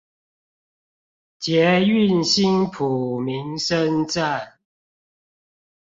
捷運新埔民生站